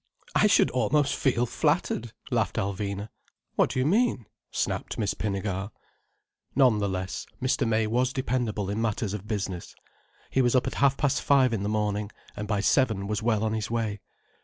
"I should almost feel flattered," laughed Alvina. "What do you mean?" snapped Miss Pinnegar. None the less, Mr. May was dependable in matters of business. He was up at half past five in the morning, and by seven was well on his way.